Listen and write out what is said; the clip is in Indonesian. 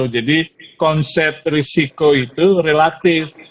jadi konsep risiko itu relatif